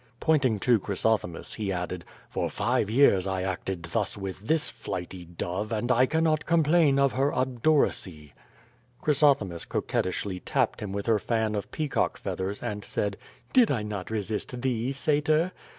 *' Pointing to Chrysothemis, he added: "For five years I acted thus with this flighty dove and I cannot com plain of her obduracy.*' Chrysothemis coquettishly tapped him with her fan of pea cock feathers, and said: "Did I not resist thee. Satyr?"